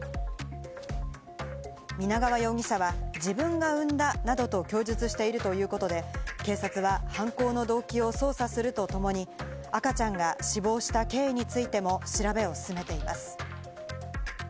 皆川容疑者は自分が産んだなどと供述しているということで、警察は犯行の動機を捜査するとともに、赤ちゃんが死亡した経緯についても調べを進めています。